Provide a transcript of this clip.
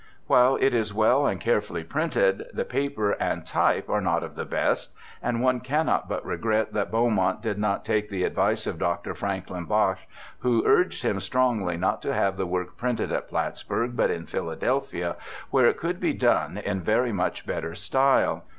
While it is well and carefully printed, the paper and type are not of the best, and one cannot but regret that Beaumont did not take the advice of Dr. Franklin Bache, who urged him strongly not to have the work printed at Plattsburgh, but in Philadelphia, where it could be done in very much better style.